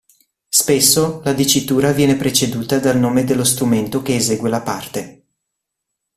Spesso la dicitura viene preceduta dal nome dello strumento che esegue la parte.